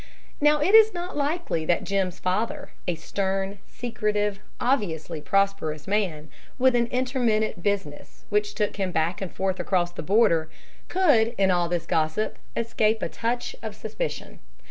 Now it is not likely that Jim's father, a stern, secretive, obviously prosperous man, with an intermittent business which took him back and forth across the border, could in all this gossip escape a touch of suspicion.